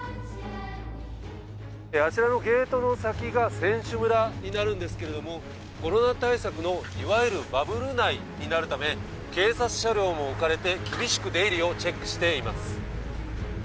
あちらのゲートの先が選手村になるんですけれども、コロナ対策のいわゆるバブル内になるため、警察車両も置かれて、厳しく出入りをチェックしています。